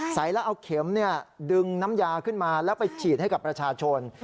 ใส่แล้วเอาเข็มดึงน้ำยาขึ้นมาแล้วไปฉีดให้กับประชาชน